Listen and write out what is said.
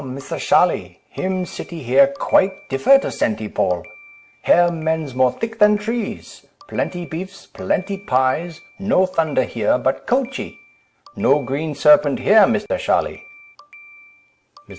Misser Sharly, him city here quike differ to Saintee Paul; here mens more thick than trees; plenty beefs, plenty pies, no thunder here, but coachee; no green serpent here, Misser Sharly." Mr.